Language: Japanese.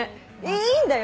いいんだよ。